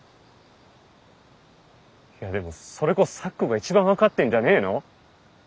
いやでもそれこそ咲子が一番分かってんじゃねぇの？